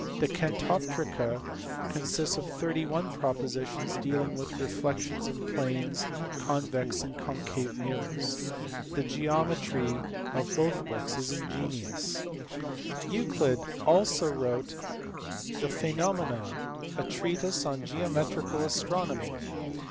The Catoptrica consists of 31 propositions dealing with reflex ions in plane, convex, and concave mirrors. The geometry of both books is ingenious. EUCLID. ARISTARCHUS. 63 Euclid also wrote the Phaenomena, a treatise on geometrical astronomy.